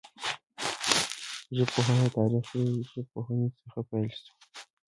ژبپوهنه د تاریخي ژبپوهني څخه پیل سوه.